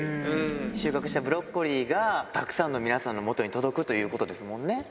収穫したブロッコリーが、たくさんの皆さんのもとに届くということですもんね。